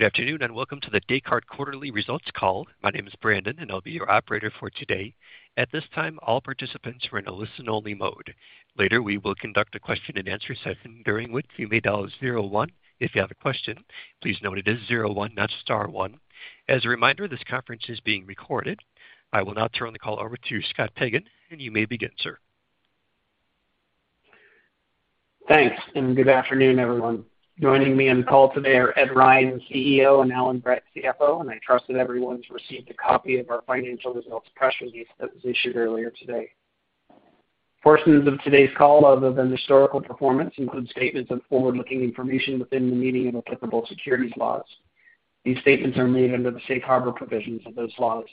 Good afternoon, and welcome to the Descartes Quarterly Results Call. My name is Brandon, and I'll be your operator for today. I will now turn the call over to Scott Pagan, and you may begin, sir. Thanks, and good afternoon, everyone. Joining me on the call today are Ed Ryan, CEO, and Allan Brett, CFO, and I trust that everyone's received a copy of our financial results press release that was issued earlier today. Portions of today's call, other than historical performance, include statements of forward-looking information within the meaning of applicable securities laws. These statements are made under the safe harbor provisions of those laws.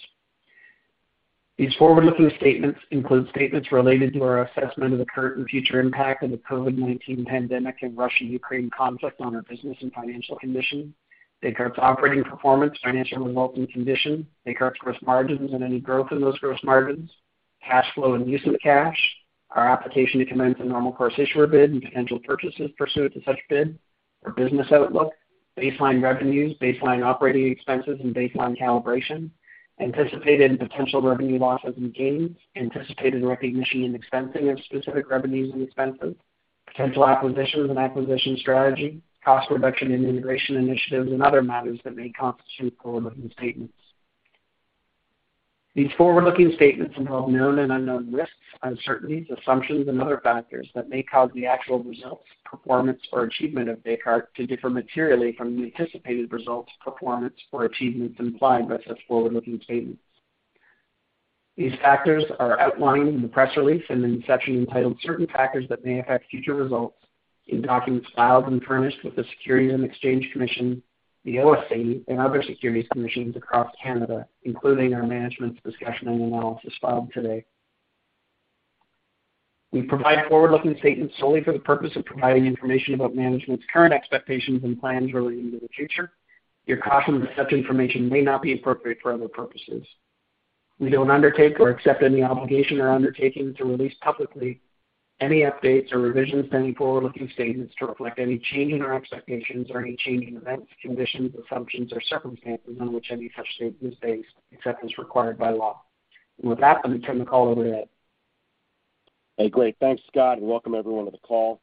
These forward-looking statements include statements related to our assessment of the current and future impact of the COVID-19 pandemic and Russia-Ukraine conflict on our business and financial condition, Descartes' operating performance, financial results, and condition, Descartes' gross margins and any growth in those gross margins, cash flow and use of cash, our application to commence a normal course issuer bid and potential purchases pursuant to such bid, our business outlook, baseline revenues, baseline operating expenses, and baseline calibration, anticipated and potential revenue losses and gains, anticipated recognition and expensing of specific revenues and expenses, potential acquisitions and acquisition strategy, cost reduction and integration initiatives, and other matters that may constitute forward-looking statements. These forward-looking statements involve known and unknown risks, uncertainties, assumptions, and other factors that may cause the actual results, performance, or achievement of Descartes to differ materially from the anticipated results, performance, or achievements implied by such forward-looking statements. These factors are outlined in the press release and in the section entitled Certain Factors That May Affect Future Results in documents filed and furnished with the Securities and Exchange Commission, the OSC, and other securities commissions across Canada, including our management's discussion and analysis filed today. We provide forward-looking statements solely for the purpose of providing information about management's current expectations and plans relating to the future. You're cautioned that such information may not be appropriate for other purposes. We don't undertake or accept any obligation or undertaking to release publicly any updates or revisions to any forward-looking statements to reflect any change in our expectations or any change in events, conditions, assumptions, or circumstances on which any such statement is based, except as required by law. With that, let me turn the call over to Ed. Hey, great. Thanks, Scott, and welcome everyone to the call.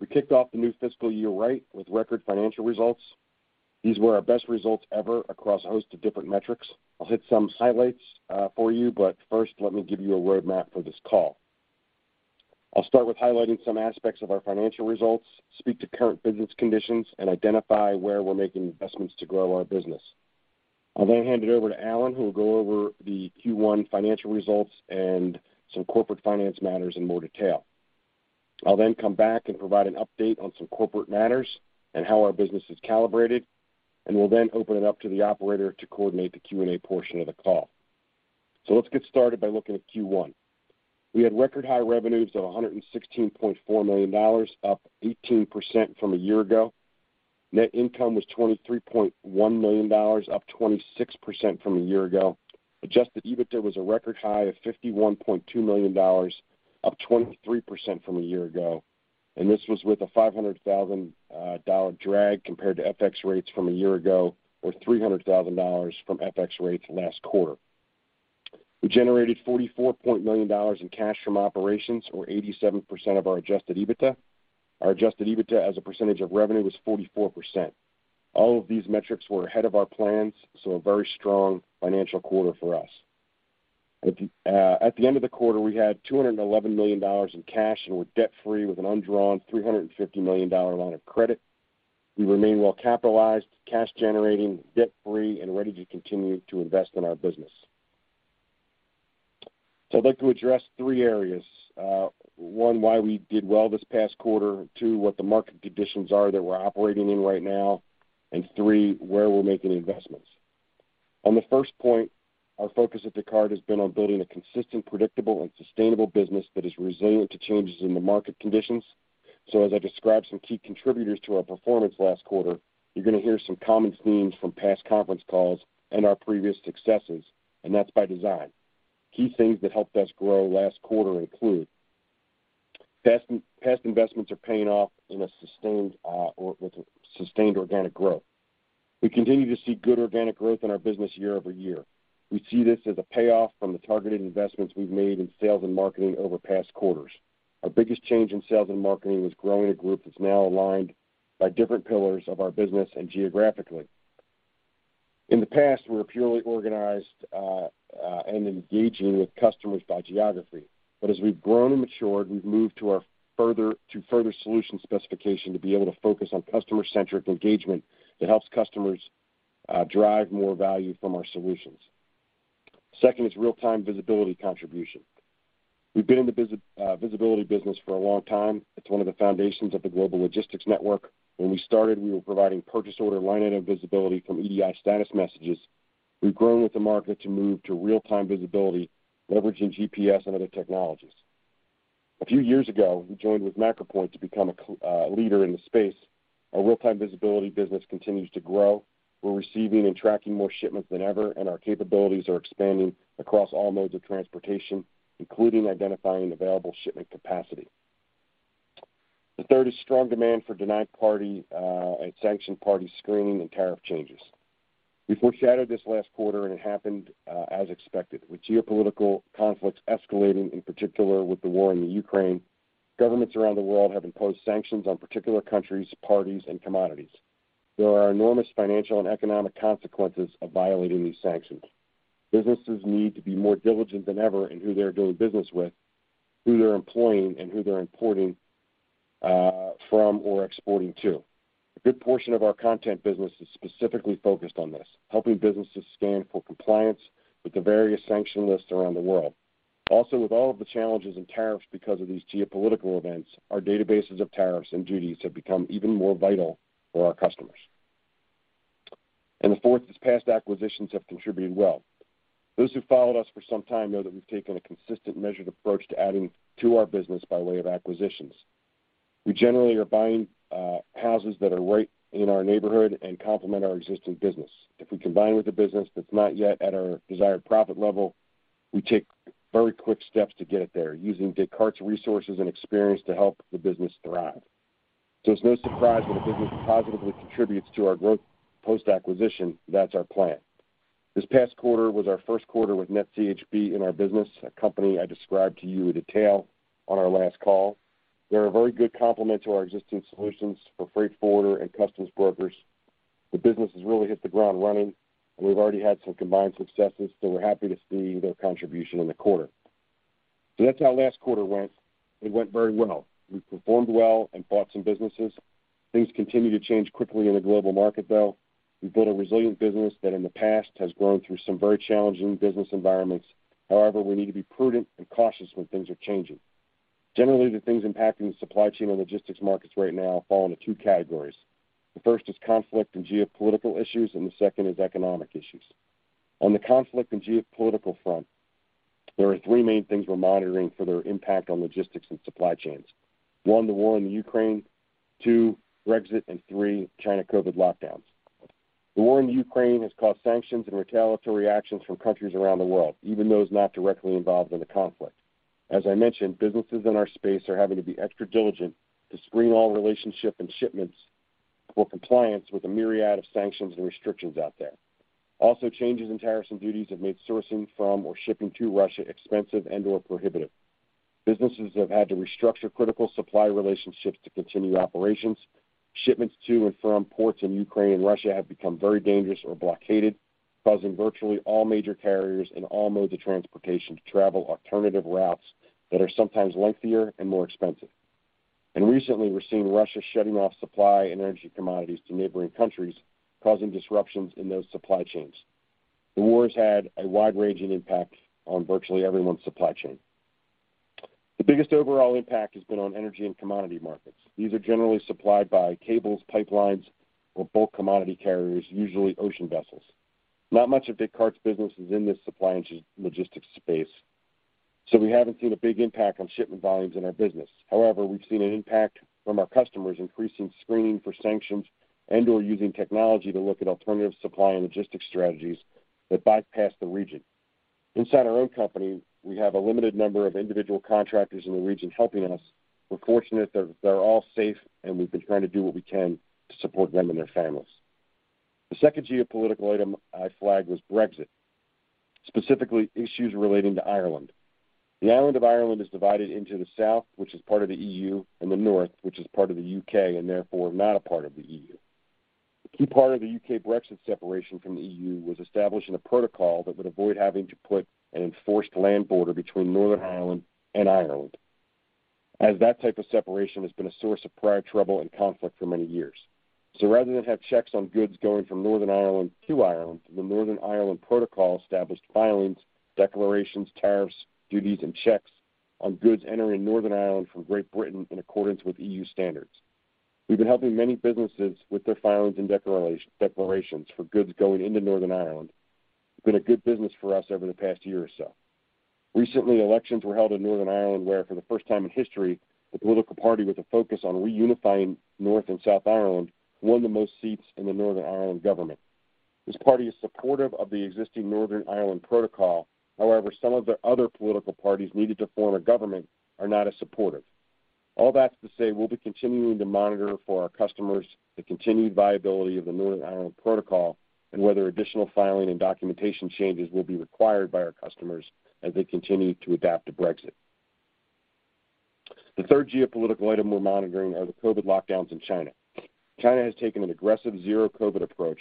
We kicked off the new fiscal year right with record financial results. These were our best results ever across a host of different metrics. I'll hit some highlights for you, but first, let me give you a roadmap for this call. I'll start with highlighting some aspects of our financial results, speak to current business conditions, and identify where we're making investments to grow our business. I'll then hand it over to Allan, who will go over the Q1 financial results and some corporate finance matters in more detail. I'll then come back and provide an update on some corporate matters and how our business is calibrated, and we'll then open it up to the operator to coordinate the Q&A portion of the call. Let's get started by looking at Q1. We had record high revenues of $116.4 million, up 18% from a year ago. Net income was $23.1 million, up 26% from a year ago. Adjusted EBITDA was a record high of $51.2 million, up 23% from a year ago. This was with a $500,000 drag compared to FX rates from a year ago or $300,000 from FX rates last quarter. We generated $44 million in cash from operations or 87% of our adjusted EBITDA. Our adjusted EBITDA as a percentage of revenue was 44%. All of these metrics were ahead of our plans, so a very strong financial quarter for us. At the end of the quarter, we had $211 million in cash and were debt-free with an undrawn $350 million line of credit. We remain well capitalized, cash generating, debt-free, and ready to continue to invest in our business. I'd like to address three areas. One, why we did well this past quarter, two, what the market conditions are that we're operating in right now, and three, where we're making investments. On the 1st point, our focus at Descartes has been on building a consistent, predictable, and sustainable business that is resilient to changes in the market conditions. As I describe some key contributors to our performance last quarter, you're gonna hear some common themes from past conference calls and our previous successes, and that's by design. Key things that helped us grow last quarter include past investments are paying off with sustained organic growth. We continue to see good organic growth in our business year-over-year. We see this as a payoff from the targeted investments we've made in sales and marketing over past quarters. Our biggest change in sales and marketing was growing a group that's now aligned by different pillars of our business and geographically. In the past, we were purely organized and engaging with customers by geography. As we've grown and matured, we've moved to further solution specification to be able to focus on customer-centric engagement that helps customers drive more value from our solutions. Second is real-time visibility contribution. We've been in the visibility business for a long time. It's one of the foundations of the Global Logistics Network. When we started, we were providing purchase order line item visibility from EDI status messages. We've grown with the market to move to real-time visibility, leveraging GPS and other technologies. A few years ago, we joined with MacroPoint to become a leader in the space. Our real-time visibility business continues to grow. We're receiving and tracking more shipments than ever, and our capabilities are expanding across all modes of transportation, including identifying available shipment capacity. The 3rd is strong demand for denied party and sanctioned party screening and tariff changes. We foreshadowed this last quarter, and it happened as expected. With geopolitical conflicts escalating, in particular with the war in the Ukraine, governments around the world have imposed sanctions on particular countries, parties, and commodities. There are enormous financial and economic consequences of violating these sanctions. Businesses need to be more diligent than ever in who they're doing business with, who they're employing, and who they're importing from or exporting to. A good portion of our content business is specifically focused on this, helping businesses scan for compliance with the various sanction lists around the world. Also, with all of the challenges and tariffs because of these geopolitical events, our databases of tariffs and duties have become even more vital for our customers. The fourth is past acquisitions have contributed well. Those who've followed us for some time know that we've taken a consistent, measured approach to adding to our business by way of acquisitions. We generally are buying houses that are right in our neighborhood and complement our existing business. If we combine with a business that's not yet at our desired profit level, we take very quick steps to get it there using Descartes' resources and experience to help the business thrive. It's no surprise when a business positively contributes to our growth post-acquisition. That's our plan. This past quarter was ourQ1 with NetCHB in our business, a company I described to you in detail on our last call. They're a very good complement to our existing solutions for freight forwarder and customs brokers. The business has really hit the ground running, and we've already had some combined successes, so we're happy to see their contribution in the quarter. That's how last quarter went. It went very well. We performed well and bought some businesses. Things continue to change quickly in the global market, though. We've built a resilient business that, in the past, has grown through some very challenging business environments. However, we need to be prudent and cautious when things are changing. Generally, the things impacting the supply chain and logistics markets right now fall into two categories. The first is conflict and geopolitical issues, and the second is economic issues. On the conflict and geopolitical front, there are three main things we're monitoring for their impact on logistics and supply chains. One, the war in Ukraine. Two, Brexit. Three, China COVID lockdowns. The war in Ukraine has caused sanctions and retaliatory actions from countries around the world, even those not directly involved in the conflict. As I mentioned, businesses in our space are having to be extra diligent to screen all relationships and shipments for compliance with the myriad of sanctions and restrictions out there. Also, changes in tariffs and duties have made sourcing from or shipping to Russia expensive and/or prohibitive. Businesses have had to restructure critical supply relationships to continue operations. Shipments to and from ports in Ukraine and Russia have become very dangerous or blockaded, causing virtually all major carriers in all modes of transportation to travel alternative routes that are sometimes lengthier and more expensive. Recently, we're seeing Russia shutting off supply and energy commodities to neighboring countries, causing disruptions in those supply chains. The war has had a wide-ranging impact on virtually everyone's supply chain. The biggest overall impact has been on energy and commodity markets. These are generally supplied by cables, pipelines, or bulk commodity carriers, usually ocean vessels. Not much of Descartes' business is in this supply and logistics space, so we haven't seen a big impact on shipment volumes in our business. However, we've seen an impact from our customers increasing screening for sanctions and/or using technology to look at alternative supply and logistics strategies that bypass the region. Inside our own company, we have a limited number of individual contractors in the region helping us. We're fortunate that they're all safe, and we've been trying to do what we can to support them and their families. The second geopolitical item I flagged was Brexit, specifically issues relating to Ireland. The island of Ireland is divided into the south, which is part of the EU, and the north, which is part of the UK and therefore not a part of the EU. A key part of the UK Brexit separation from the EU was establishing a protocol that would avoid having to put an enforced land border between Northern Ireland and Ireland, as that type of separation has been a source of prior trouble and conflict for many years. Rather than have checks on goods going from Northern Ireland to Ireland, the Northern Ireland Protocol established filings, declarations, tariffs, duties, and checks on goods entering Northern Ireland from Great Britain in accordance with EU standards. We've been helping many businesses with their filings and declarations for goods going into Northern Ireland. It's been a good business for us over the past year or so. Recently, elections were held in Northern Ireland where, for the first time in history, the political party with a focus on reunifying North and South Ireland won the most seats in the Northern Ireland government. This party is supportive of the existing Northern Ireland Protocol. However, some of the other political parties needed to form a government are not as supportive. All that's to say we'll be continuing to monitor for our customers the continued viability of the Northern Ireland Protocol and whether additional filing and documentation changes will be required by our customers as they continue to adapt to Brexit. The 3rd geopolitical item we're monitoring are the COVID lockdowns in China. China has taken an aggressive zero COVID approach,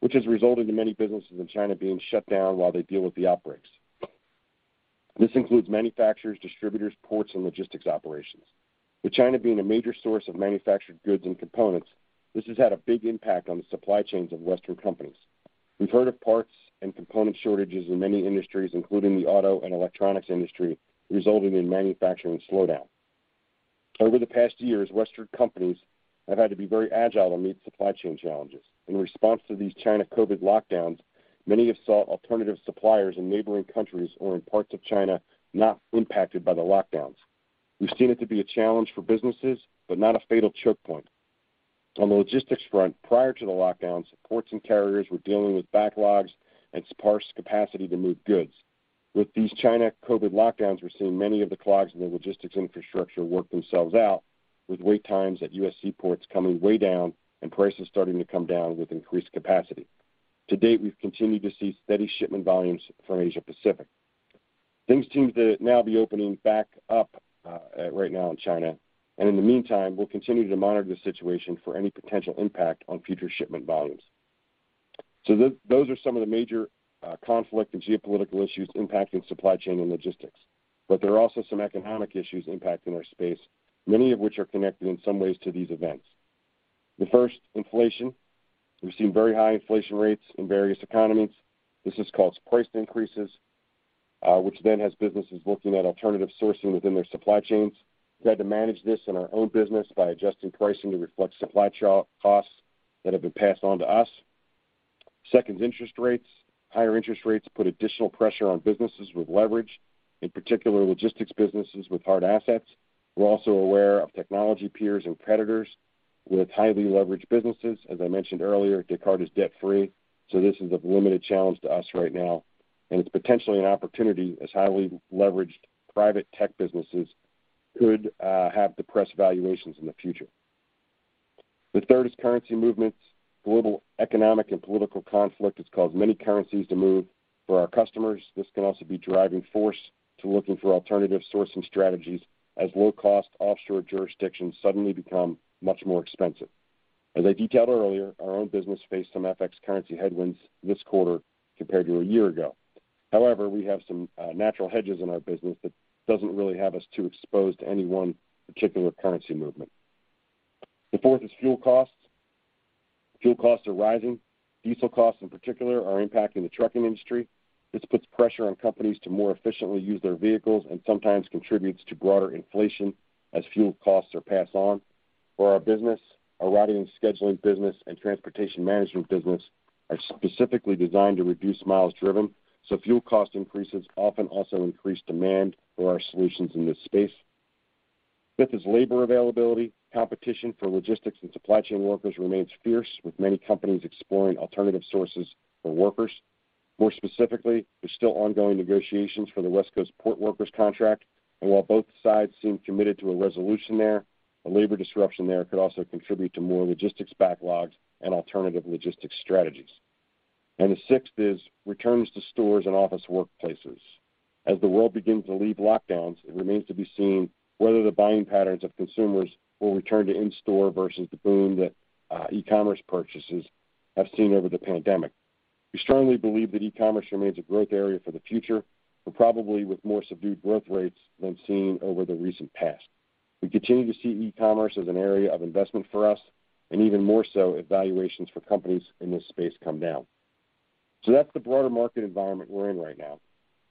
which has resulted in many businesses in China being shut down while they deal with the outbreaks. This includes manufacturers, distributors, ports, and logistics operations. With China being a major source of manufactured goods and components, this has had a big impact on the supply chains of Western companies. We've heard of parts and component shortages in many industries, including the auto and electronics industry, resulting in manufacturing slowdown. Over the past years, Western companies have had to be very agile to meet supply chain challenges. In response to these China COVID lockdowns, many have sought alternative suppliers in neighboring countries or in parts of China not impacted by the lockdowns. We've seen it to be a challenge for businesses, but not a fatal choke point. On the logistics front, prior to the lockdowns, ports and carriers were dealing with backlogs and sparse capacity to move goods. With these China COVID lockdowns, we're seeing many of the clogs in the logistics infrastructure work themselves out, with wait times at US seaports coming way down and prices starting to come down with increased capacity. To date, we've continued to see steady shipment volumes from Asia Pacific. Things seem to now be opening back up right now in China. In the meantime, we'll continue to monitor the situation for any potential impact on future shipment volumes. Those are some of the major conflict and geopolitical issues impacting supply chain and logistics. There are also some economic issues impacting our space, many of which are connected in some ways to these events. The 1st, inflation. We've seen very high inflation rates in various economies. This has caused price increases, which then has businesses looking at alternative sourcing within their supply chains. We've had to manage this in our own business by adjusting pricing to reflect supply chain costs that have been passed on to us. 2nd, interest rates. Higher interest rates put additional pressure on businesses with leverage, in particular logistics businesses with hard assets. We're also aware of technology peers and creditors with highly leveraged businesses. As I mentioned earlier, Descartes is debt-free, so this is of limited challenge to us right now, and it's potentially an opportunity as highly leveraged private tech businesses could have depressed valuations in the future. The 3rd is currency movements. Global economic and political conflict has caused many currencies to move. For our customers, this can also be driving force to looking for alternative sourcing strategies as low-cost offshore jurisdictions suddenly become much more expensive. As I detailed earlier, our own business faced some FX currency headwinds this quarter compared to a year ago. However, we have some natural hedges in our business that doesn't really have us too exposed to any one particular currency movement. The 4th is fuel costs. Fuel costs are rising. Diesel costs in particular are impacting the trucking industry. This puts pressure on companies to more efficiently use their vehicles and sometimes contributes to broader inflation as fuel costs are passed on. For our business, our routing and scheduling business and transportation management business are specifically designed to reduce miles driven, so fuel cost increases often also increase demand for our solutions in this space. 5th is labor availability. Competition for logistics and supply chain workers remains fierce, with many companies exploring alternative sources for workers. More specifically, there's still ongoing negotiations for the West Coast port workers contract, and while both sides seem committed to a resolution there, a labor disruption there could also contribute to more logistics backlogs and alternative logistics strategies. The 6th is returns to stores and office workplaces. As the world begins to leave lockdowns, it remains to be seen whether the buying patterns of consumers will return to in-store versus the boom that e-commerce purchases have seen over the pandemic. We strongly believe that e-commerce remains a growth area for the future, but probably with more subdued growth rates than seen over the recent past. We continue to see e-commerce as an area of investment for us, and even more so if valuations for companies in this space come down. That's the broader market environment we're in right now.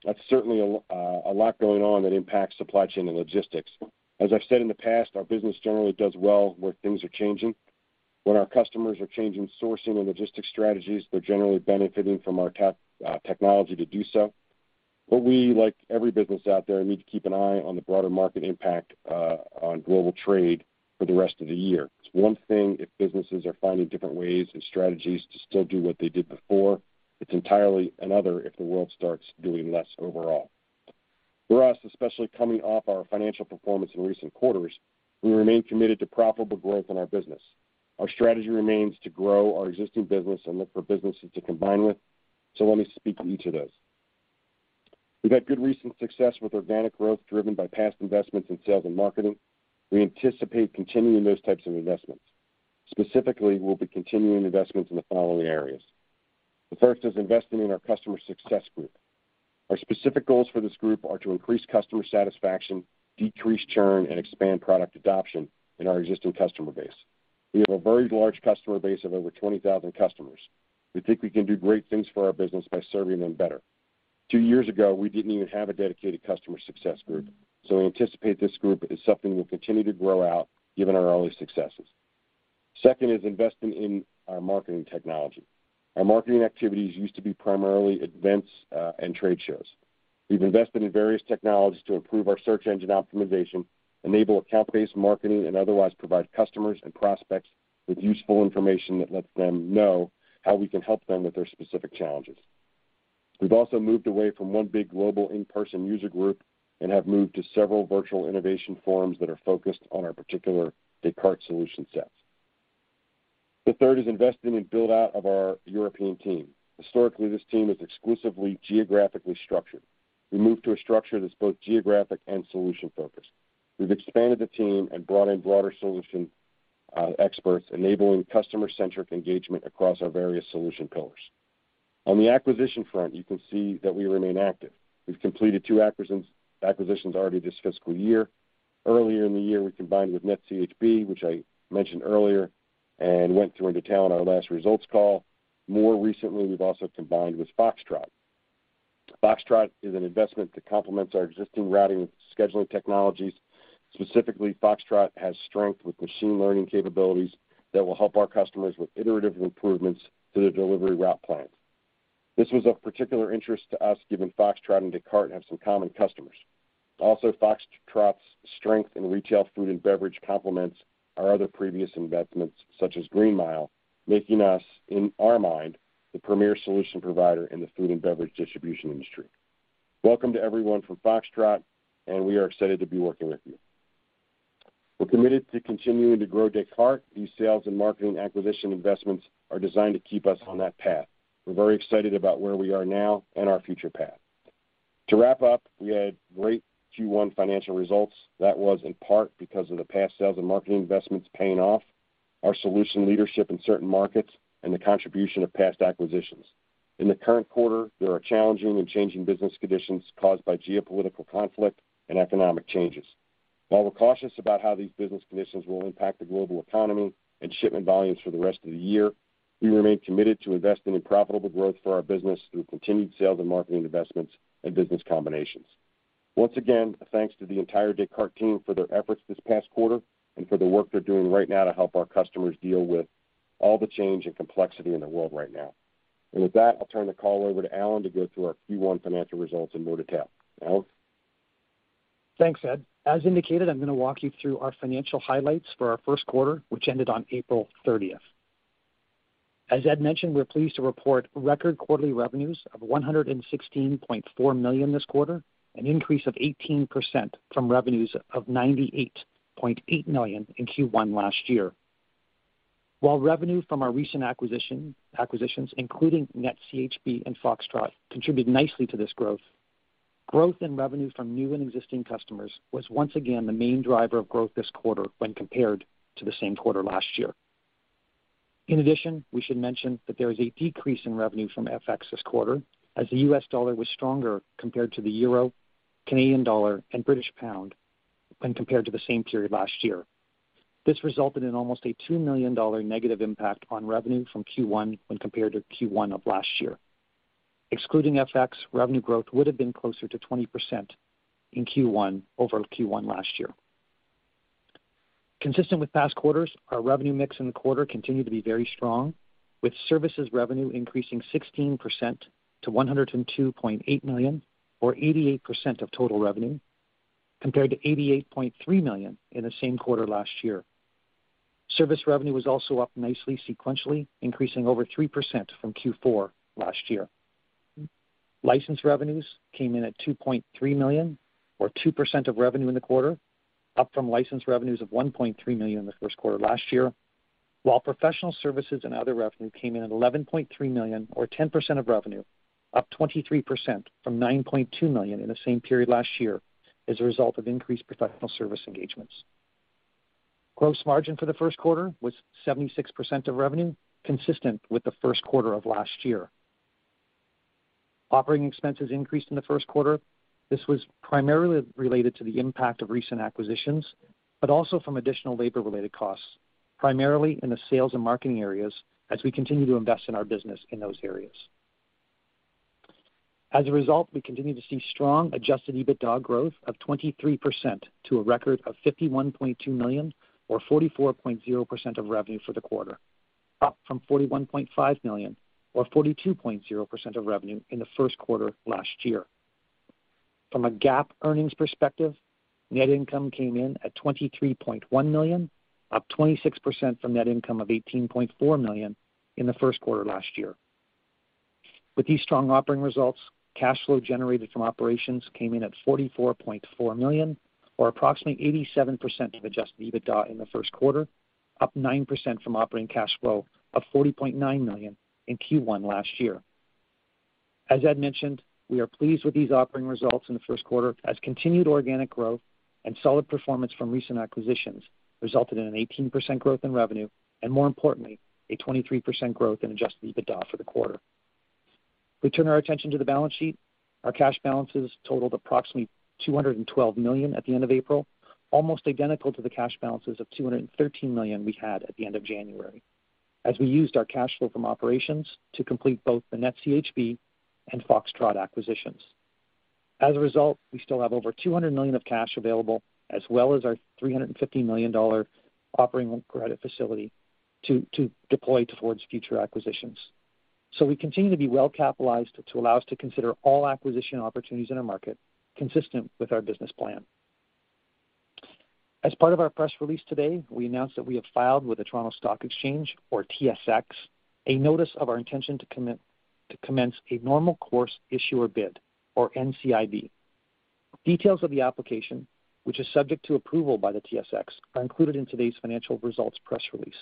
That's certainly a lot going on that impacts supply chain and logistics. As I've said in the past, our business generally does well where things are changing. When our customers are changing sourcing and logistics strategies, they're generally benefiting from our tech, technology to do so. We, like every business out there, need to keep an eye on the broader market impact on global trade for the rest of the year. It's one thing if businesses are finding different ways and strategies to still do what they did before. It's entirely another if the world starts doing less overall. For us, especially coming off our financial performance in recent quarters, we remain committed to profitable growth in our business. Our strategy remains to grow our existing business and look for businesses to combine with, so let me speak to each of those. We've had good recent success with organic growth driven by past investments in sales and marketing. We anticipate continuing those types of investments. Specifically, we'll be continuing investments in the following areas. The 1st is investing in our customer success group. Our specific goals for this group are to increase customer satisfaction, decrease churn, and expand product adoption in our existing customer base. We have a very large customer base of over 20,000 customers. We think we can do great things for our business by serving them better. Two years ago, we didn't even have a dedicated customer success group, so we anticipate this group is something we'll continue to grow out given our early successes. 2nd is investing in our marketing technology. Our marketing activities used to be primarily events, and trade shows. We've invested in various technologies to improve our search engine optimization, enable account-based marketing, and otherwise provide customers and prospects with useful information that lets them know how we can help them with their specific challenges. We've also moved away from one big global in-person user group and have moved to several virtual innovation forums that are focused on our particular Descartes solution sets. The 3rd is investing in build-out of our European team. Historically, this team is exclusively geographically structured. We moved to a structure that's both geographic and solution-focused. We've expanded the team and brought in broader solution experts, enabling customer-centric engagement across our various solution pillars. On the acquisition front, you can see that we remain active. We've completed two acquisitions already this fiscal year. Earlier in the year, we combined with NetCHB, which I mentioned earlier and went into detail on our last results call. More recently, we've also combined with Foxtrot. Foxtrot is an investment that complements our existing routing and scheduling technologies. Specifically, Foxtrot has strength with machine learning capabilities that will help our customers with iterative improvements to their delivery route plans. This was of particular interest to us, given Foxtrot and Descartes have some common customers. Also, Foxtrot's strength in retail food and beverage complements our other previous investments, such as GreenMile, making us, in our mind, the premier solution provider in the food and beverage distribution industry. Welcome to everyone from Foxtrot, and we are excited to be working with you. We're committed to continuing to grow Descartes. These sales and marketing acquisition investments are designed to keep us on that path. We're very excited about where we are now and our future path. To wrap up, we had great Q1 financial results. That was in part because of the past sales and marketing investments paying off, our solution leadership in certain markets, and the contribution of past acquisitions. In the current quarter, there are challenging and changing business conditions caused by geopolitical conflict and economic changes. While we're cautious about how these business conditions will impact the global economy and shipment volumes for the rest of the year, we remain committed to investing in profitable growth for our business through continued sales and marketing investments and business combinations. Once again, thanks to the entire Descartes team for their efforts this past quarter and for the work they're doing right now to help our customers deal with all the change and complexity in the world right now. With that, I'll turn the call over to Allan to go through our Q1 financial results in more detail. Allan? Thanks, Ed. As indicated, I'm gonna walk you through our financial highlights for our Q1, which ended on April 30th. As Ed mentioned, we're pleased to report record quarterly revenues of $116.4 million this quarter, an increase of 18% from revenues of $98.8 million in Q1 last year. While revenue from our recent acquisitions, including NetCHB and Foxtrot, contributed nicely to this growth in revenue from new and existing customers was once again the main driver of growth this quarter when compared to the same quarter last year. In addition, we should mention that there is a decrease in revenue from FX this quarter, as the US dollar was stronger compared to the euro, Canadian dollar, and British pound when compared to the same period last year. This resulted in almost a $2 million negative impact on revenue from Q1 when compared to Q1 of last year. Excluding FX, revenue growth would have been closer to 20% in Q1 over Q1 last year. Consistent with past quarters, our revenue mix in the quarter continued to be very strong, with services revenue increasing 16% to $102.8 million, or 88% of total revenue, compared to $88.3 million in the same quarter last year. Service revenue was also up nicely sequentially, increasing over 3% from Q4 last year. License revenues came in at $2.3 million or 2% of revenue in the quarter, up from license revenues of $1.3 million in the Q1 last year. While professional services and other revenue came in at $11.3 million or 10% of revenue, up 23% from $9.2 million in the same period last year as a result of increased professional service engagements. Gross margin for the Q1 was 76% of revenue, consistent with the Q1 of last year. Operating expenses increased in the Q1. This was primarily related to the impact of recent acquisitions, but also from additional labor-related costs, primarily in the sales, and marketing areas as we continue to invest in our business in those areas. As a result, we continue to see strong adjusted EBITDA growth of 23% to a record of $51.2 million or 44.0% of revenue for the quarter, up from $41.5 million or 42.0% of revenue in the Q1 last year. From a GAAP earnings perspective, net income came in at $23.1 million, up 26% from net income of $18.4 million in the Q1 last year. With these strong operating results, cash flow generated from operations came in at $44.4 million or approximately 87% of adjusted EBITDA in the Q1, up 9% from operating cash flow of $40.9 million in Q1 last year. As Ed mentioned, we are pleased with these operating results in the Q1 as continued organic growth and solid performance from recent acquisitions resulted in an 18% growth in revenue and more importantly, a 23% growth in adjusted EBITDA for the quarter. We turn our attention to the balance sheet. Our cash balances totaled approximately $212 million at the end of April, almost identical to the cash balances of $213 million we had at the end of January, as we used our cash flow from operations to complete both the NetCHB and Foxtrot acquisitions. As a result, we still have over $200 million of cash available, as well as our $350 million operating credit facility to deploy towards future acquisitions. We continue to be well-capitalized to allow us to consider all acquisition opportunities in our market consistent with our business plan. As part of our press release today, we announced that we have filed with the Toronto Stock Exchange, or TSX, a notice of our intention to commence a normal course issuer bid, or NCIB. Details of the application, which is subject to approval by the TSX, are included in today's financial results press release.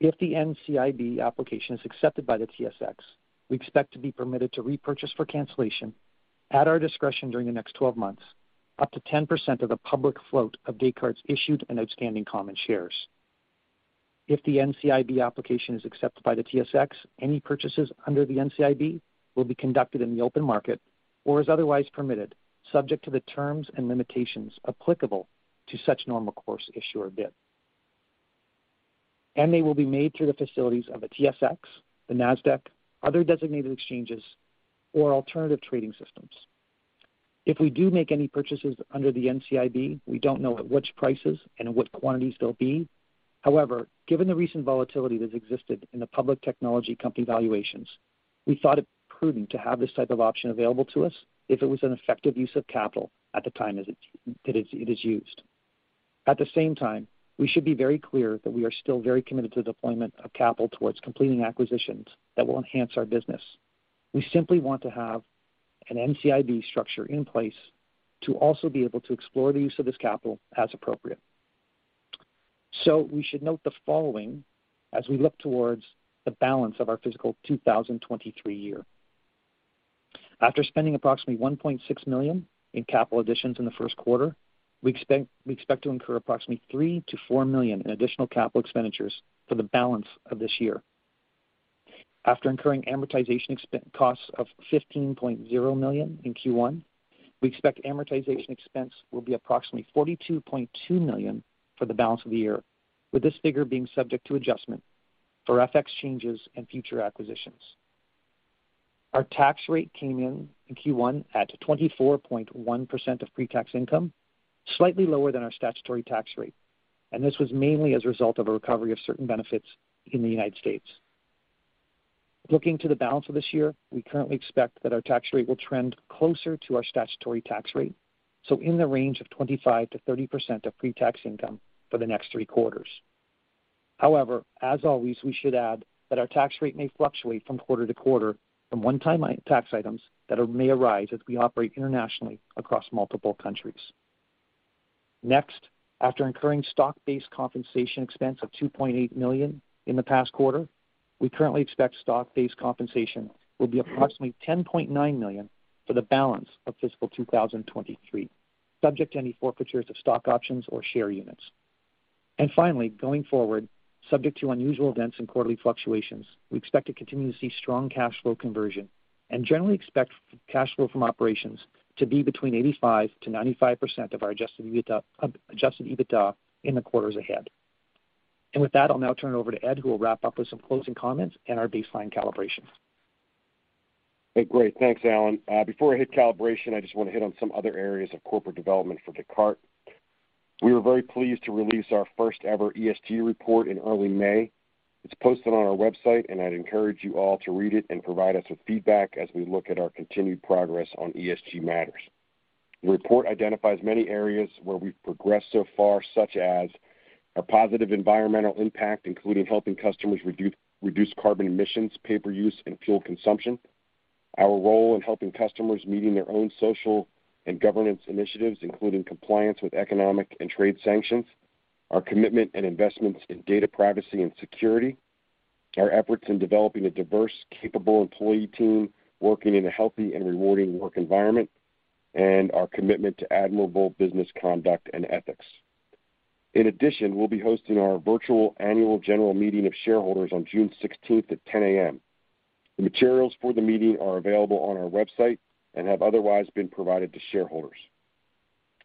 If the NCIB application is accepted by the TSX, we expect to be permitted to repurchase for cancellation at our discretion during the next 12 months, up to 10% of the public float of Descartes' issued and outstanding common shares. If the NCIB application is accepted by the TSX, any purchases under the NCIB will be conducted in the open market or as otherwise permitted, subject to the terms and limitations applicable to such normal course issuer bid. They will be made through the facilities of the TSX, the Nasdaq, other designated exchanges, or alternative trading systems. If we do make any purchases under the NCIB, we don't know at which prices and what quantities they'll be. However, given the recent volatility that has existed in the public technology company valuations, we thought it prudent to have this type of option available to us if it was an effective use of capital at the time as it is used. At the same time, we should be very clear that we are still very committed to the deployment of capital towards completing acquisitions that will enhance our business. We simply want to have an NCIB structure in place to also be able to explore the use of this capital as appropriate. We should note the following as we look towards the balance of our fiscal 2023 year. After spending approximately $1.6 million in capital additions in the Q1, we expect to incur approximately $3 million-$4 million in additional capital expenditures for the balance of this year. After incurring amortization costs of $15.0 million in Q1, we expect amortization expense will be approximately $42.2 million for the balance of the year, with this figure being subject to adjustment for FX changes and future acquisitions. Our tax rate came in in Q1 at 24.1% of pre-tax income, slightly lower than our statutory tax rate, and this was mainly as a result of a recovery of certain benefits in the United States. Looking to the balance of this year, we currently expect that our tax rate will trend closer to our statutory tax rate, so in the range of 25%-30% of pre-tax income for the next Q3. However, as always, we should add that our tax rate may fluctuate from quarter to quarter from one-time tax items that may arise as we operate internationally across multiple countries. Next, after incurring stock-based compensation expense of $2.8 million in the past quarter, we currently expect stock-based compensation will be approximately $10.9 million for the balance of fiscal 2023, subject to any forfeitures of stock options or share units. Finally, going forward, subject to unusual events and quarterly fluctuations, we expect to continue to see strong cash flow conversion and generally expect free cash flow from operations to be between 85%-95% of our adjusted EBITDA in the quarters ahead. With that, I'll now turn it over to Ed, who will wrap up with some closing comments and our baseline calibrations. Hey, great. Thanks, Allan. Before I hit calibration, I just wanna hit on some other areas of corporate development for Descartes. We were very pleased to release our first ever ESG report in early May. It's posted on our website, and I'd encourage you all to read it and provide us with feedback as we look at our continued progress on ESG matters. The report identifies many areas where we've progressed so far, such as our positive environmental impact, including helping customers reduce carbon emissions, paper use, and fuel consumption. Our role in helping customers meet their own social and governance initiatives, including compliance with economic and trade sanctions. Our commitment and investments in data privacy and security. Our efforts in developing a diverse, capable employee team working in a healthy and rewarding work environment. Our commitment to admirable business conduct and ethics. In addition, we'll be hosting our virtual annual general meeting of shareholders on June 16th at 10 A.M. The materials for the meeting are available on our website and have otherwise been provided to shareholders.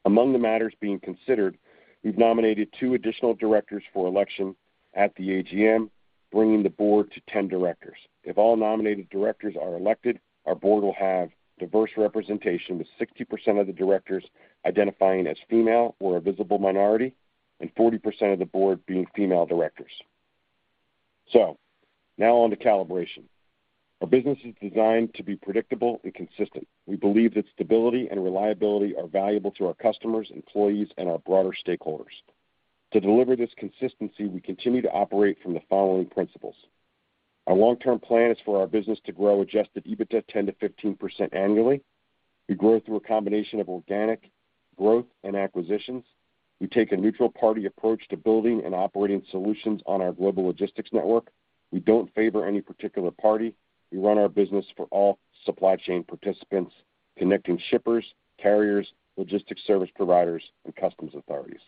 Among the matters being considered, we've nominated two additional directors for election at the AGM, bringing the board to 10 directors. If all nominated directors are elected, our board will have diverse representation, with 60% of the directors identifying as female or a visible minority, and 40% of the board being female directors. Now on to calibration. Our business is designed to be predictable and consistent. We believe that stability and reliability are valuable to our customers, employees, and our broader stakeholders. To deliver this consistency, we continue to operate from the following principles. Our long-term plan is for our business to grow adjusted EBITDA 10%-15% annually. We grow through a combination of organic growth and acquisitions. We take a neutral party approach to building and operating solutions on our Global Logistics Network. We don't favor any particular party. We run our business for all supply chain participants, connecting shippers, carriers, logistics service providers, and customs authorities.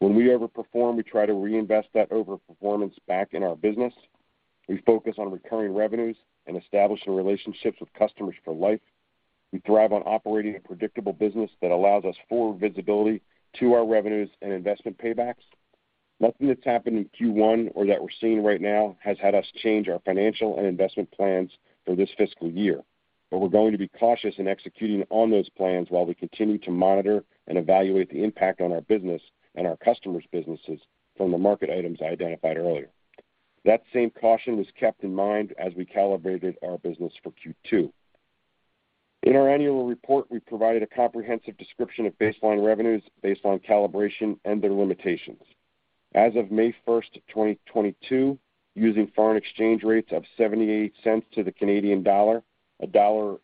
When we overperform, we try to reinvest that overperformance back in our business. We focus on recurring revenues and establishing relationships with customers for life. We thrive on operating a predictable business that allows us forward visibility to our revenues and investment paybacks. Nothing that's happened in Q1 or that we're seeing right now has had us change our financial and investment plans for this fiscal year, but we're going to be cautious in executing on those plans while we continue to monitor and evaluate the impact on our business and our customers' businesses from the market items I identified earlier. That same caution was kept in mind as we calibrated our business for Q2. In our annual report, we provided a comprehensive description of baseline revenues based on calibration and their limitations. As of May 1st, 2022, using foreign exchange rates of $0.78 to the Canadian dollar, a dollar,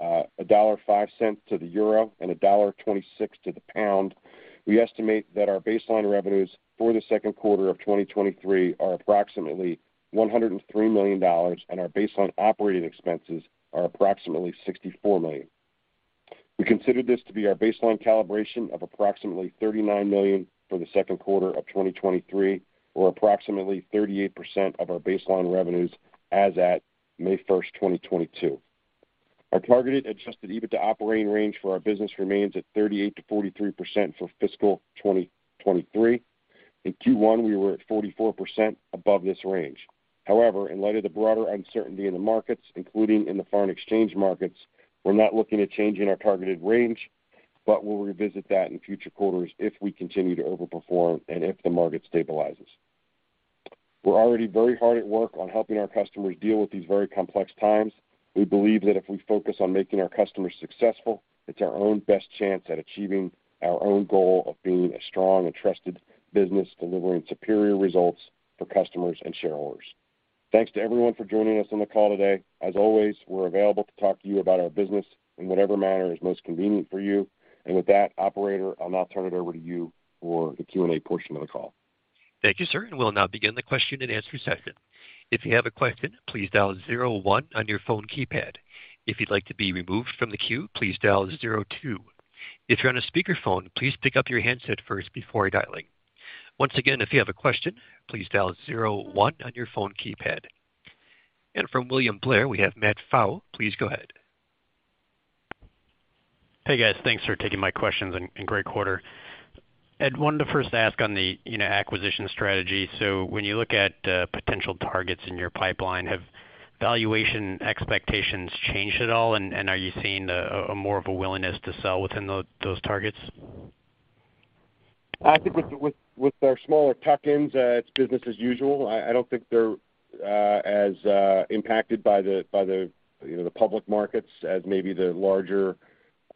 a $0.5 To the euro, and a $1.26 to the pound, we estimate that our baseline revenues for the second quarter of 2023 are approximately $103 million, and our baseline operating expenses are approximately $64 million. We consider this to be our baseline calibration of approximately $39 million for the Q2 of 2023, or approximately 38% of our baseline revenues as at May 1st, 2022. Our targeted adjusted EBITDA operating range for our business remains at 38%-43% for fiscal 2023. In Q1, we were at 44% above this range. However, in light of the broader uncertainty in the markets, including in the foreign exchange markets, we're not looking at changing our targeted range, but we'll revisit that in future quarters if we continue to overperform and if the market stabilizes. We're already very hard at work on helping our customers deal with these very complex times. We believe that if we focus on making our customers successful, it's our own best chance at achieving our own goal of being a strong and trusted business, delivering superior results for customers and shareholders. Thanks to everyone for joining us on the call today. As always, we're available to talk to you about our business in whatever manner is most convenient for you. With that, operator, I'll now turn it over to you for the Q&A portion of the call. Thank you, sir. We'll now begin the question-and-answer session. From William Blair, we have Matt Pfau. Please go ahead. Hey, guys. Thanks for taking my questions, and great quarter. Ed, wanted to first ask on the acquisition strategy. When you look at potential targets in your pipeline, have valuation expectations changed at all? Are you seeing a more of a willingness to sell within those targets? I think with our smaller tuck-ins, it's business as usual. I don't think they're as impacted by the, you know, the public markets as maybe the larger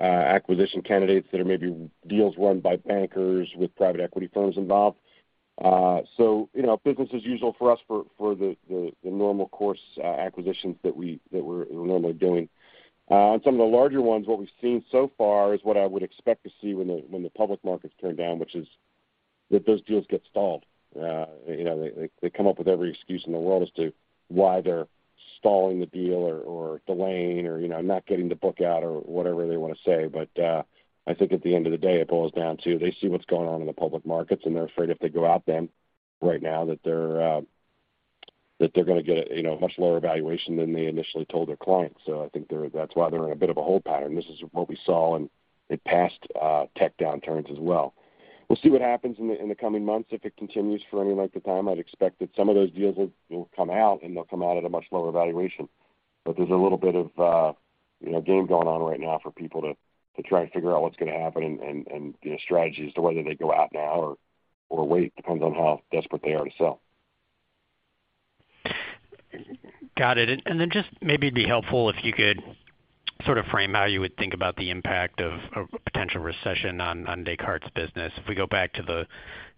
acquisition candidates that are maybe deals run by bankers with private equity firms involved. You know, business as usual for us for the normal course acquisitions that we're normally doing. On some of the larger ones, what we've seen so far is what I would expect to see when the public markets turn down, which is that those deals get stalled. You know, they come up with every excuse in the world as to why they're stalling the deal or delaying or, you know, not getting the book out or whatever they wanna say. I think at the end of the day, it boils down to they see what's going on in the public markets, and they're afraid if they go out then right now that they're gonna get a, you know, much lower valuation than they initially told their clients. I think that's why they're in a bit of a hold pattern. This is what we saw in the past, tech downturns as well. We'll see what happens in the coming months. If it continues for any length of time, I'd expect that some of those deals will come out, and they'll come out at a much lower valuation. There's a little bit of a, you know, game going on right now for people to try and figure out what's gonna happen and you know, strategies to whether they go out now or wait, depends on how desperate they are to sell. Got it. Just maybe it'd be helpful if you could sort of frame how you would think about the impact of potential recession on Descartes' business. If we go back to the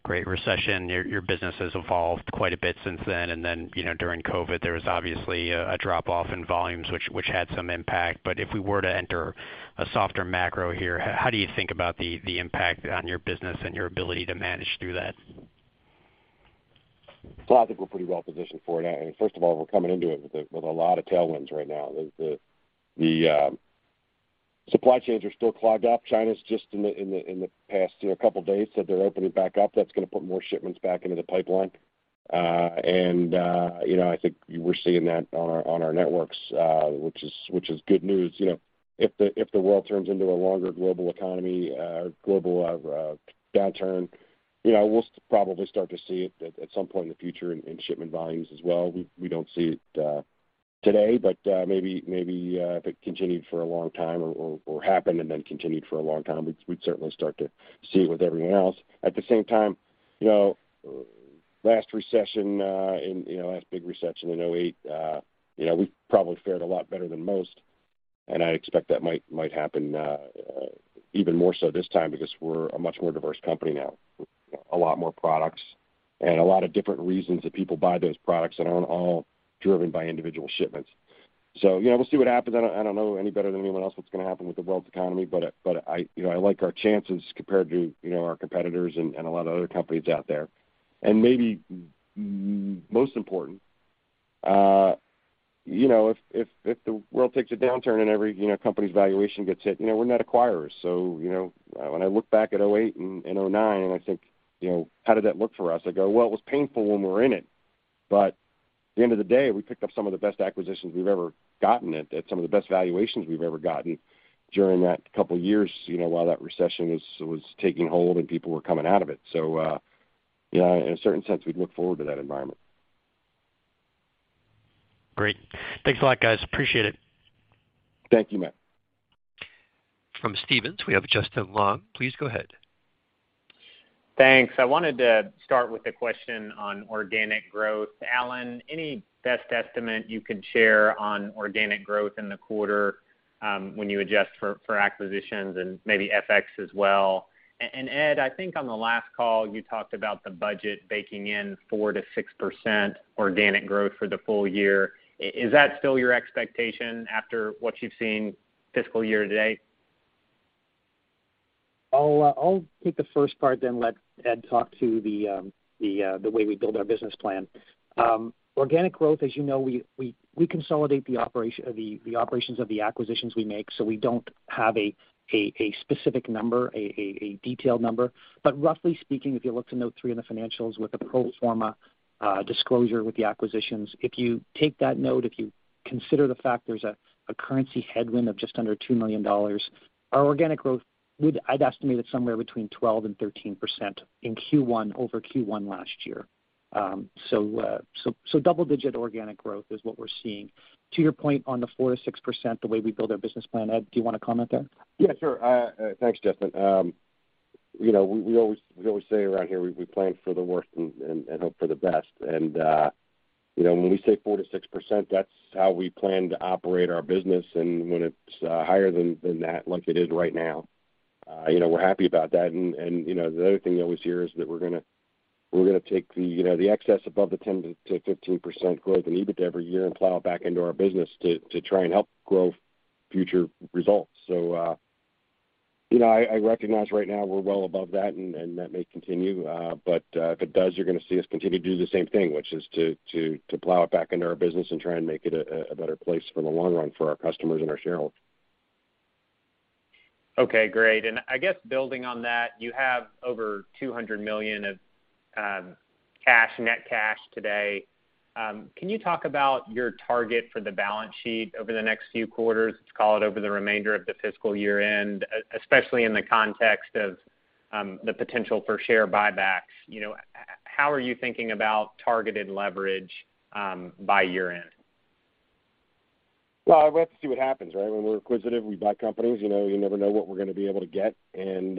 Great Recession, your business has evolved quite a bit since then, and then, you know, during COVID, there was obviously a drop-off in volumes which had some impact. But if we were to enter a softer macro here, how do you think about the impact on your business and your ability to manage through that? I think we're pretty well positioned for it. I mean, first of all, we're coming into it with a lot of tailwinds right now. The supply chains are still clogged up. China's just in the past, you know, couple days said they're opening back up. That's gonna put more shipments back into the pipeline. You know, I think we're seeing that on our networks, which is good news. You know, if the world turns into a longer global economy, or global downturn, you know, we'll probably start to see it at some point in the future in shipment volumes as well. We don't see it today, but maybe if it continued for a long time or happened and then continued for a long time, we'd certainly start to see it with everyone else. At the same time, you know, last recession, you know, last big recession in 2008, you know, we probably fared a lot better than most, and I expect that might happen even more so this time because we're a much more diverse company now. A lot more products and a lot of different reasons that people buy those products that aren't all driven by individual shipments. You know, we'll see what happens. I don't know any better than anyone else what's gonna happen with the world's economy. I, you know, I like our chances compared to, you know, our competitors and a lot of other companies out there. Maybe most important, you know, if the world takes a downturn and every, you know, company's valuation gets hit, you know, we're not acquirers. You know, when I look back at 2008 and 2009, and I think, you know, how did that look for us? I go, Well, it was painful when we're in it, but at the end of the day, we picked up some of the best acquisitions we've ever gotten at some of the best valuations we've ever gotten during that couple years, you know, while that recession was taking hold and people were coming out of it. You know, in a certain sense, we'd look forward to that environment. Great. Thanks a lot, guys. Appreciate it. Thank you, Matt. From Stephens, we have Justin Long. Please go ahead. Thanks. I wanted to start with a question on organic growth. Allan, any best estimate you could share on organic growth in the quarter, when you adjust for acquisitions and maybe FX as well? Ed, I think on the last call, you talked about the budget baking in 4%-6% organic growth for the full year. Is that still your expectation after what you've seen fiscal year to date? I'll take the 1st part then let Ed talk to the way we build our business plan. Organic growth, as you know, we consolidate the operations of the acquisitions we make, so we don't have a specific number, a detailed number. But roughly speaking, if you look to note three in the financials with the pro forma disclosure with the acquisitions, if you take that note, if you consider the fact there's a currency headwind of just under $2 million, our organic growth I'd estimate it somewhere between 12%-13% in Q1 over Q1 last year. Double-digit organic growth is what we're seeing. To your point on the 4%-6%, the way we build our business plan, Ed, do you wanna comment there? Yeah, sure. Thanks, Justin. You know, we always say around here, we plan for the worst and hope for the best. You know, when we say 4%-6%, that's how we plan to operate our business. When it's higher than that, like it is right now, you know, we're happy about that. You know, the other thing you always hear is that we're gonna take the excess above the 10%-15% growth in EBITDA every year and plow it back into our business to try and help grow future results. You know, I recognize right now we're well above that, and that may continue. If it does, you're gonna see us continue to do the same thing, which is to plow it back into our business and try and make it a better place for the long run for our customers and our shareholders. Okay, great. I guess building on that, you have over $200 million of cash, net cash today. Can you talk about your target for the balance sheet over the next few quarters, let's call it over the remainder of the fiscal year-end, especially in the context of the potential for share buybacks? You know, how are you thinking about targeted leverage by year-end? Well, we'll have to see what happens, right? When we're acquisitive, we buy companies, you know, you never know what we're gonna be able to get, and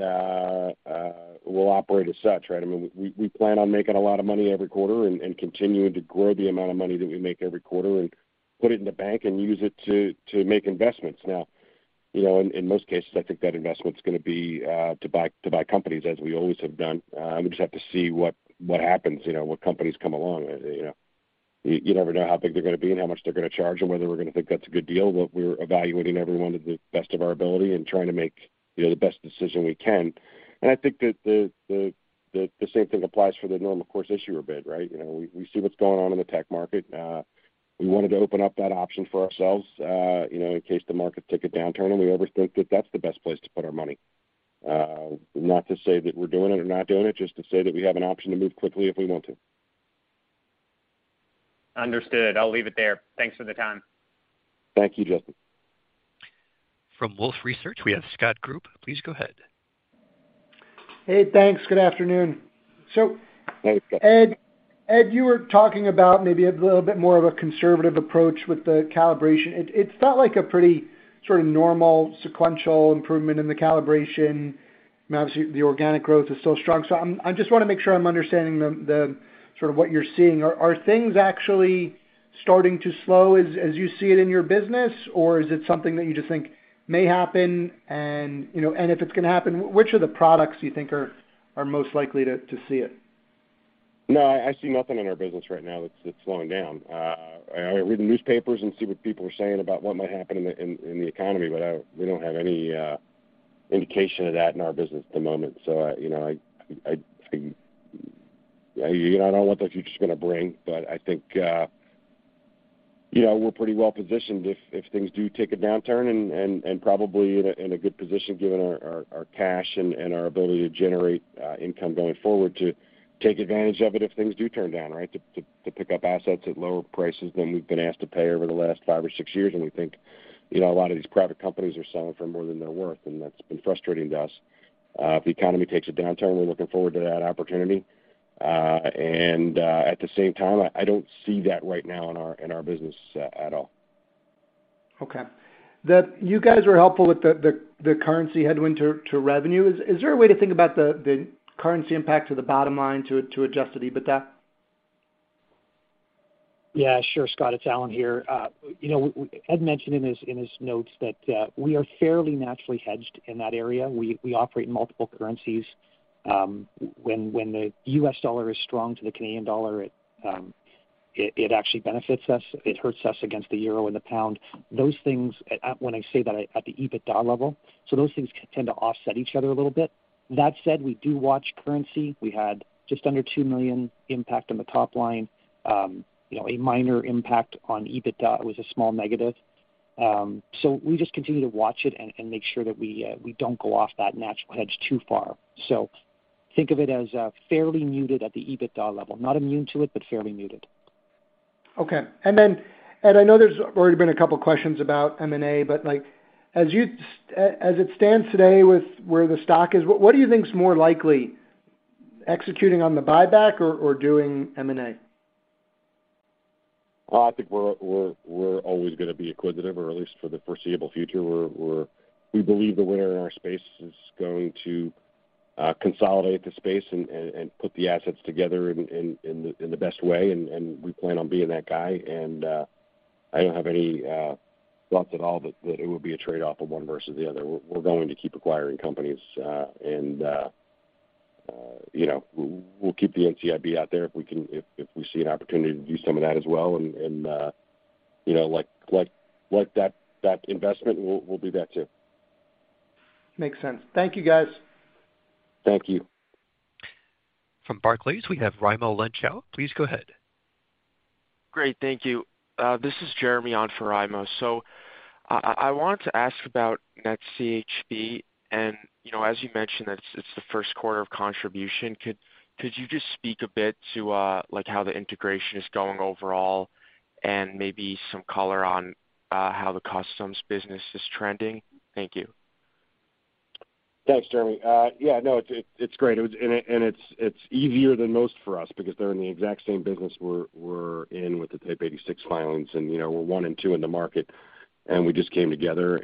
we'll operate as such, right? I mean, we plan on making a lot of money every quarter and continuing to grow the amount of money that we make every quarter and put it in the bank and use it to make investments. Now, you know, in most cases, I think that investment's gonna be to buy companies as we always have done. We just have to see what happens, you know, what companies come along. You know, you never know how big they're gonna be and how much they're gonna charge or whether we're gonna think that's a good deal. We're evaluating every one to the best of our ability and trying to make, you know, the best decision we can. I think that the same thing applies for the normal course issuer bid, right? You know, we see what's going on in the tech market. We wanted to open up that option for ourselves, you know, in case the market took a downturn, and we always think that that's the best place to put our money. Not to say that we're doing it or not doing it, just to say that we have an option to move quickly if we want to. Understood. I'll leave it there. Thanks for the time. Thank you, Justin. From Wolfe Research, we have Scott Group. Please go ahead. Hey, thanks. Good afternoon. Hey, Scott. Ed, you were talking about maybe a little bit more of a conservative approach with the calibration. It felt like a pretty sort of normal sequential improvement in the calibration. Obviously, the organic growth is still strong. So I just wanna make sure I'm understanding the sort of what you're seeing. Are things actually starting to slow as you see it in your business, or is it something that you just think may happen? You know, and if it's gonna happen, which of the products do you think are most likely to see it? No, I see nothing in our business right now that's slowing down. I read the newspapers and see what people are saying about what might happen in the economy, but we don't have any indication of that in our business at the moment. You know, I don't know what the future's gonna bring, but I think, you know, we're pretty well positioned if things do take a downturn and probably in a good position given our cash and our ability to generate income going forward to take advantage of it if things do turn down, right? To pick up assets at lower prices than we've been asked to pay over the last five or six years. We think, you know, a lot of these private companies are selling for more than they're worth, and that's been frustrating to us. If the economy takes a downturn, we're looking forward to that opportunity. At the same time, I don't see that right now in our business at all. Okay. You guys were helpful with the currency headwind to revenue. Is there a way to think about the currency impact to the bottom line to adjusted EBITDA? Yeah, sure. Scott, it's Allan here. You know, Ed mentioned in his notes that we are fairly naturally hedged in that area. We operate in multiple currencies. When the US dollar is strong to the Canadian dollar, it actually benefits us. It hurts us against the euro and the pound. Those things, when I say that at the EBITDA level, those things tend to offset each other a little bit. That said, we do watch currency. We had just under $2 million impact on the top line, a minor impact on EBITDA. It was a small negative. So we just continue to watch it and make sure that we don't go off that natural hedge too far. Think of it as fairly muted at the EBITDA level. Not immune to it, but fairly muted. Okay. Ed, I know there's already been a couple questions about M&A, but, like, as it stands today with where the stock is, what do you think is more likely, executing on the buyback or doing M&A? Well, I think we're always gonna be acquisitive, or at least for the foreseeable future. We believe the winner in our space is going to consolidate the space and put the assets together in the best way, and we plan on being that guy. I don't have any thoughts at all that it would be a trade-off of one versus the other. We're going to keep acquiring companies, and you know, we'll keep the NCIB out there if we can. If we see an opportunity to do some of that as well and you know, like that investment, we'll do that too. Makes sense. Thank you, guys. Thank you. From Barclays, we have Raimo Lenschow. Please go ahead. Great. Thank you. This is Jeremy on for Raimo. I wanted to ask about NetCHB. You know, as you mentioned, it's the Q1 of contribution. Could you just speak a bit to like how the integration is going overall and maybe some color on how the customs business is trending? Thank you. Thanks, Jeremy. Yeah, no, it's great. It's easier than most for us because they're in the exact same business we're in with the Type 86 filings, you know, we're one and two in the market, and we just came together.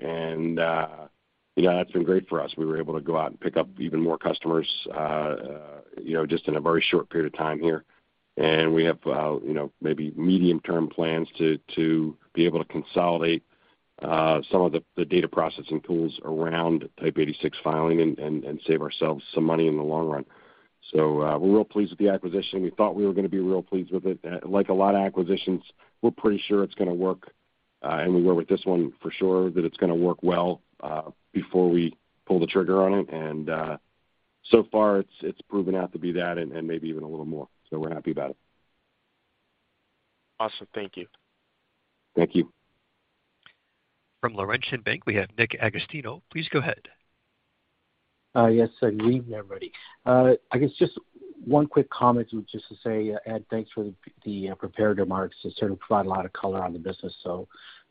You know, that's been great for us. We were able to go out and pick up even more customers, you know, just in a very short period of time here. We have, you know, maybe medium-term plans to be able to consolidate some of the data processing tools around Type 86 filing and save ourselves some money in the long run. We're real pleased with the acquisition. We thought we were gonna be real pleased with it. Like a lot of acquisitions, we're pretty sure it's gonna work, and we were with this one for sure that it's gonna work well before we pull the trigger on it. So far it's proven out to be that and maybe even a little more, so we're happy about it. Awesome. Thank you. Thank you. From Laurentian Bank, we have Nick Agostino. Please go ahead. Yes, sir. Good evening, everybody. I guess just one quick comment just to say, Ed, thanks for the prepared remarks. It certainly provided a lot of color on the business, so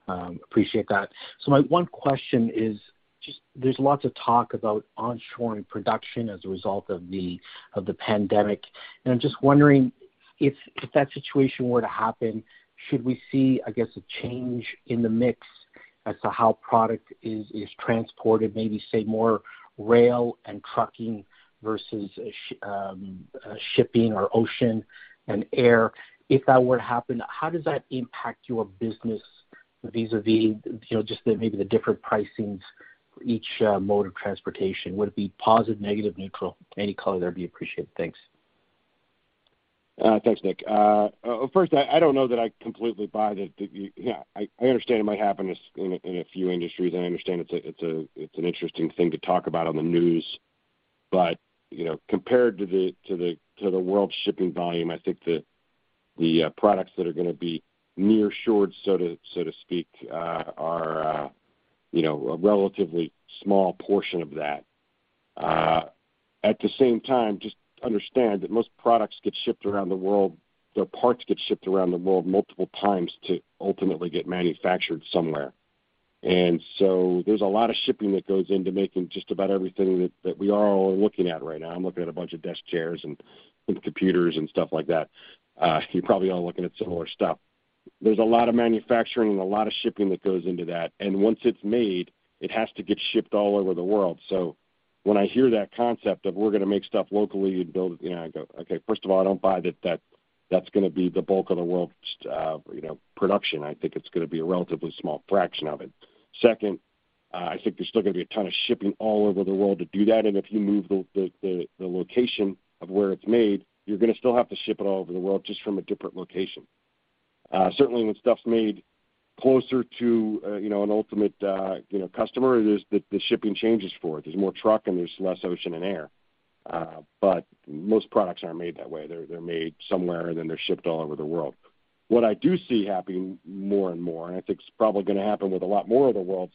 appreciate that. My one question is just there's lots of talk about onshoring production as a result of the pandemic. I'm just wondering if that situation were to happen, should we see, I guess, a change in the mix as to how product is transported, maybe, say, more rail and trucking versus shipping or ocean and air? If that were to happen, how does that impact your business vis-à-vis, you know, just maybe the different pricings for each mode of transportation? Would it be positive, negative, neutral? Any color there would be appreciated. Thanks. Thanks, Nick. 1st, I don't know that I completely buy that. You know, I understand it might happen in a few industries, and I understand it's an interesting thing to talk about on the news. But you know, compared to the world shipping volume, I think the products that are gonna be nearshored, so to speak, are you know, a relatively small portion of that. At the same time, just understand that most products get shipped around the world. Their parts get shipped around the world multiple times to ultimately get manufactured somewhere. There's a lot of shipping that goes into making just about everything that we are all looking at right now. I'm looking at a bunch of desk chairs and computers and stuff like that. You're probably all looking at similar stuff. There's a lot of manufacturing and a lot of shipping that goes into that. Once it's made, it has to get shipped all over the world. When I hear that concept of we're gonna make stuff locally and build it, you know, I go, Okay, 1st of all, I don't buy that that's gonna be the bulk of the world's, you know, production. I think it's gonna be a relatively small fraction of it. 2nd, I think there's still gonna be a ton of shipping all over the world to do that. If you move the location of where it's made, you're gonna still have to ship it all over the world, just from a different location. Certainly, when stuff's made closer to, you know, an ultimate, you know, customer, there's the shipping changes for it. There's more truck, and there's less ocean and air. Most products aren't made that way. They're made somewhere, and then they're shipped all over the world. What I do see happening more and more, and I think it's probably gonna happen with a lot more of the world's,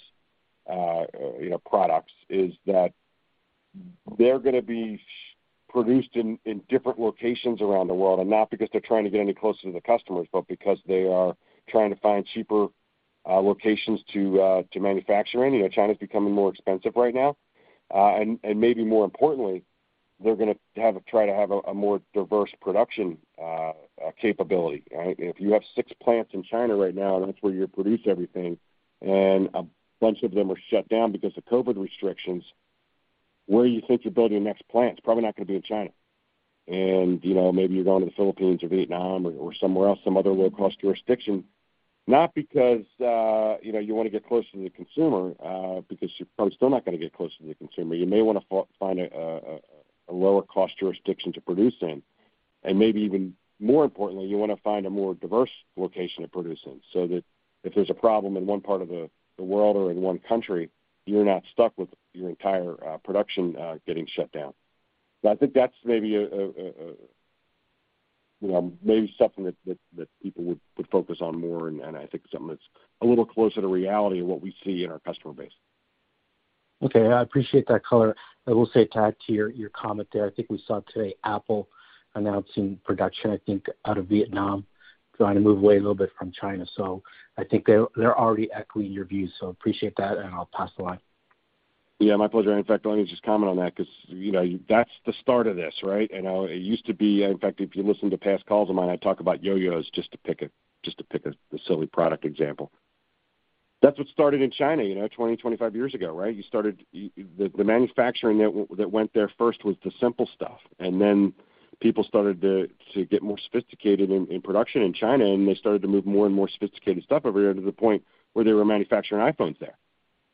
you know, products, is that they're gonna be produced in different locations around the world, and not because they're trying to get any closer to the customers, but because they are trying to find cheaper locations to manufacture in. You know, China's becoming more expensive right now. Maybe more importantly, they're gonna try to have a more diverse production capability, right? If you have six plants in China right now, and that's where you produce everything, and a bunch of them are shut down because of COVID restrictions, where do you think you're building your next plant? It's probably not gonna be in China. You know, maybe you're going to the Philippines or Vietnam or somewhere else, some other low-cost jurisdiction, not because you know, you wanna get closer to the consumer, because your product's still not gonna get closer to the consumer. You may wanna find a lower cost jurisdiction to produce in. Maybe even more importantly, you wanna find a more diverse location to produce in, so that if there's a problem in one part of the world or in one country, you're not stuck with your entire production getting shut down. I think that's maybe a you know maybe something that people would focus on more and I think something that's a little closer to reality in what we see in our customer base. Okay. I appreciate that color. I will say, tied to your comment there, I think we saw today Apple announcing production, I think, out of Vietnam, trying to move away a little bit from China. I think they're already echoing your views. Appreciate that, and I'll pass the line. Yeah, my pleasure. In fact, let me just comment on that 'cause, you know, that's the start of this, right? You know, it used to be, in fact, if you listen to past calls of mine, I talk about yo-yos just to pick a silly product example. That's what started in China, you know, 25 years ago, right? The manufacturing network that went there first was the simple stuff, and then people started to get more sophisticated in production in China, and they started to move more and more sophisticated stuff over there to the point where they were manufacturing iPhones there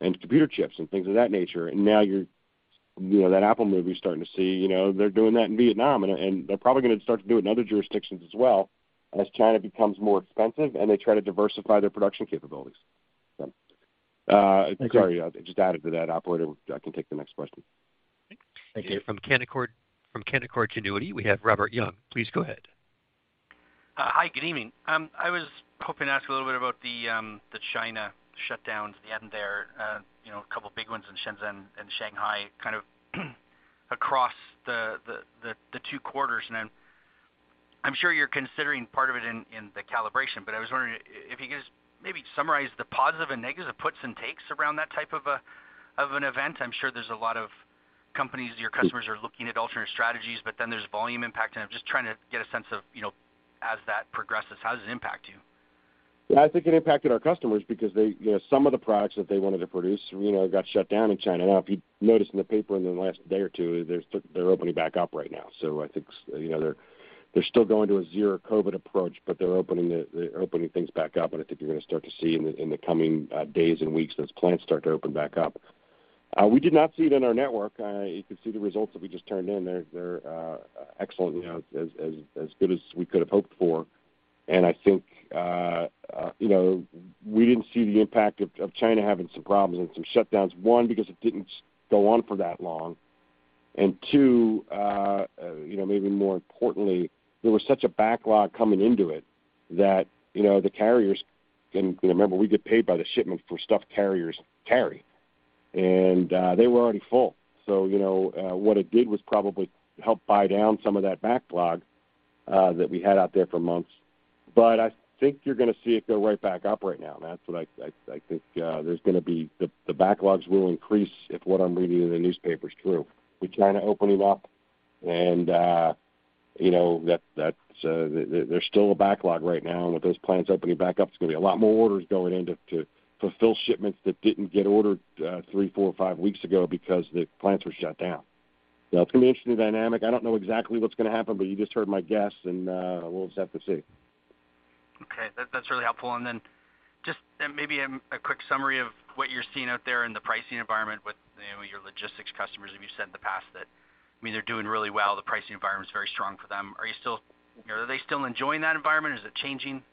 and computer chips and things of that nature. You know, that Apple move we're starting to see, you know, they're doing that in Vietnam. They're probably gonna start to do it in other jurisdictions as well as China becomes more expensive and they try to diversify their production capabilities. Thank you. Sorry, just to add to that, operator, I can take the next question. Thank you. From Canaccord Genuity, we have Robert Young. Please go ahead. Hi. Good evening. I was hoping to ask a little bit about the China shutdowns at the end there. You know, a couple of big ones in Shenzhen and Shanghai kind of across the Q2. I'm sure you're considering part of it in the calibration, but I was wondering if you could just maybe summarize the positive and negative puts and takes around that type of an event. I'm sure there's a lot of companies, your customers are looking at alternate strategies, but then there's volume impact. I'm just trying to get a sense of, you know, as that progresses, how does it impact you? Yeah, I think it impacted our customers because they, you know, some of the products that they wanted to produce, you know, got shut down in China. Now, if you noticed in the paper in the last day or two, they're opening back up right now. I think you know, they're still going to a zero COVID approach, but they're opening things back up, and I think you're gonna start to see in the coming days and weeks those plants start to open back up. We did not see it in our network. You could see the results that we just turned in. They're excellent, you know, as good as we could have hoped for. I think, you know, we didn't see the impact of China having some problems and some shutdowns, one, because it didn't go on for that long. Two, you know, maybe more importantly, there was such a backlog coming into it that, you know, the carriers. Remember, we get paid by the shipment for stuff carriers carry, and they were already full. You know, what it did was probably help buy down some of that backlog that we had out there for months. I think you're gonna see it go right back up right now, and that's what I think, there's gonna be the backlogs will increase if what I'm reading in the newspaper is true. With China opening up and you know, there's still a backlog right now, and with those plants opening back up, there's gonna be a lot more orders going in to fulfill shipments that didn't get ordered, three, four, five weeks ago because the plants were shut down. You know, it's gonna be an interesting dynamic. I don't know exactly what's gonna happen, but you just heard my guess and we'll just have to see. Okay. That's really helpful. Then just then maybe a quick summary of what you're seeing out there in the pricing environment with, you know, your logistics customers. You've said in the past that, I mean, they're doing really well. The pricing environment is very strong for them. Are you still, you know, are they still enjoying that environment? Is it changing?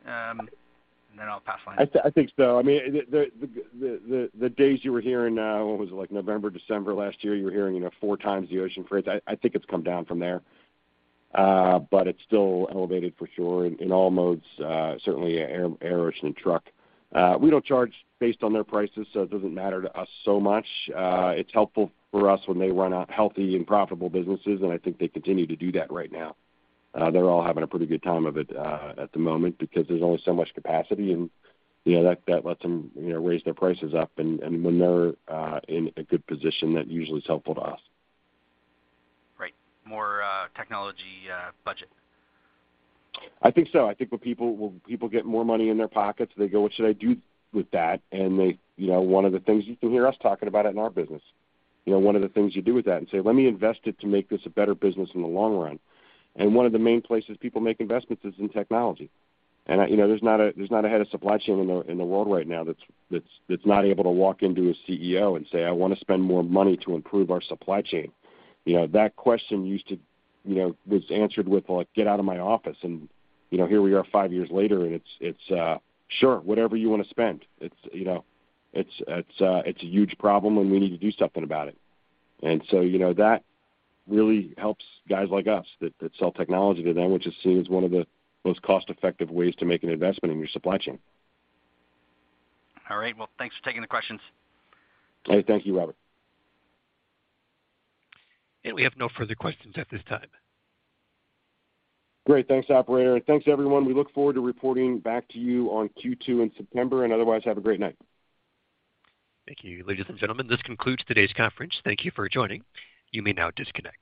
Then I'll pass the line. I think so. I mean, the days you were hearing, what was it like November, December last year, you were hearing, you know, four times the ocean freight. I think it's come down from there. But it's still elevated for sure in all modes, certainly air, ocean, and truck. We don't charge based on their prices, so it doesn't matter to us so much. It's helpful for us when they run healthy and profitable businesses, and I think they continue to do that right now. They're all having a pretty good time of it at the moment because there's only so much capacity, and, you know, that lets them, you know, raise their prices up. When they're in a good position, that usually is helpful to us. Right. More, technology, budget. I think so. I think when people get more money in their pockets, they go, What should I do with that? They, you know, one of the things you can hear us talking about it in our business. You know, one of the things you do with that and say, "Let me invest it to make this a better business in the long run. One of the main places people make investments is in technology. You know, there's not a head of supply chain in the world right now that's not able to walk into a CEO and say, I wanna spend more money to improve our supply chain. You know, that question used to, you know, was answered with like, Get out of my office. You know, here we are five years later, and it's, Sure, whatever you wanna spend. It's, you know, it's a huge problem, and we need to do something about it. You know, that really helps guys like us that sell technology to them, which is seen as one of the most cost-effective ways to make an investment in your supply chain. All right. Well, thanks for taking the questions. Okay. Thank you, Robert. We have no further questions at this time. Great. Thanks, operator. Thanks, everyone. We look forward to reporting back to you on Q2 in September. Otherwise, have a great night. Thank you. Ladies and gentlemen, this concludes today's conference. Thank you for joining. You may now disconnect.